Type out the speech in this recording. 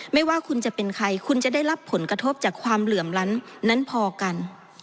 ไม่ว่าคุณจะเป็นใครคุณจะได้รับผลกระทบจากความเหลื่อมล้ำนั้นพอกัน